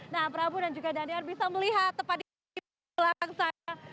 nah prabu dan juga daniar bisa melihat tepat di belakang saya